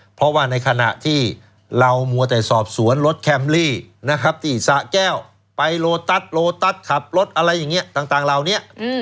เพราะว่าในขณะที่เรามัวแต่สอบสวนรถแคมลี่นะครับที่สะแก้วไปโลตัสโลตัสขับรถอะไรอย่างนี้ต่างเหล่านี้